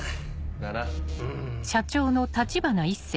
だな。